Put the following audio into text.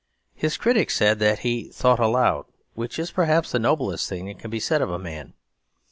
His critics said that he "thought aloud"; which is perhaps the noblest thing that can be said of a man.